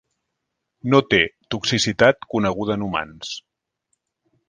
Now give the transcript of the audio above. No té toxicitat coneguda en humans.